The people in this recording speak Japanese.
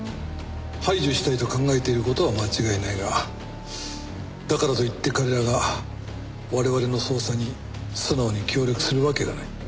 排除したいと考えている事は間違いないがだからといって彼らが我々の捜査に素直に協力するわけがない。